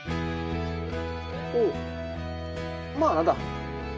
おうまあ何だ。